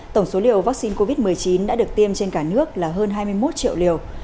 tổng số liều vaccine covid một mươi chín đã được tiêm trên cả nước là hơn hai mươi một triệu liều